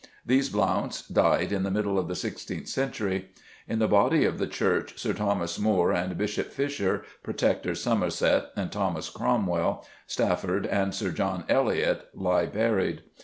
These Blounts died in the middle of the sixteenth century. In the body of the church Sir Thomas More and Bishop Fisher, Protector Somerset and Thomas Cromwell, Strafford and Sir John Eliot, lie buried.